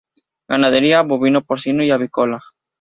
Ganadería: bovino, porcino y avícola.